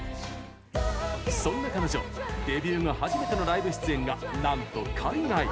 そんな彼女、デビュー後初めてのライブ出演がなんと海外。